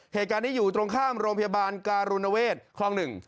เหตุการณ์นี้อยู่ตรงข้ามโรงพยาบาลการุณเวศคลอง๑